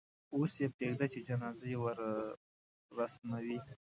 اوس یې پرېږده چې جنازه یې ورسموي.